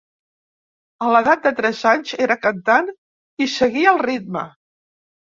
A l'edat de tres anys ja era cantant i seguia el ritme.